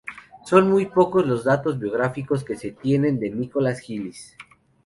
Son muy pocos los datos biográficos que se tienen de Nicolaes Gillis.